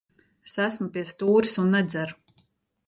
Es esmu pie stūres un nedzeru.